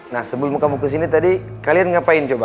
nah sebelum kamu kesini tadi kalian ngapain coba